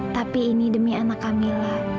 tapi ini demi anak kamila